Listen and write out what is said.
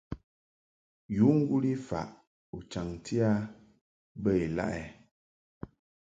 Yu ŋguli faʼ u chaŋti a bə ilaʼ ɛ ?